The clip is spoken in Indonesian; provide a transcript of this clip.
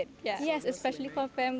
terutama untuk keluarga